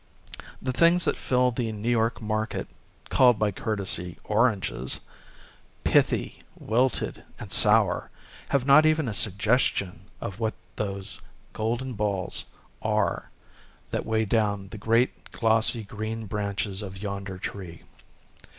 The things that fill the New York market, called by courtesy " oranges," — pithy, wilted, and sour, — have not even a suggestion of what those golden balls are that weigh down the great glossy green branches of yonder tree.